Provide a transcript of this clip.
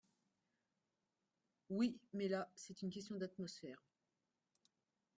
Oui, mais là, c’est une question d’atmosphère